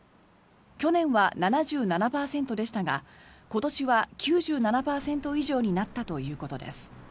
去年は７７％でしたが今年は９７％以上になったということです。